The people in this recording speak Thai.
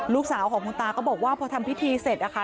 ลูกสาวของคุณตาก็บอกว่าพอทำพิธีเสร็จนะคะ